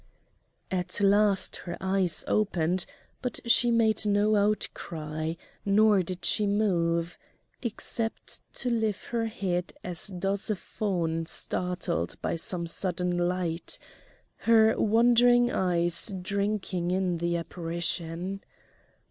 At last her eyes opened, but she made no outcry, nor did she move, except to lift her head as does a fawn startled by some sudden light, her wondering eyes drinking in the apparition.